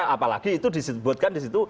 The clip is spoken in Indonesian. apalagi itu disebutkan disitu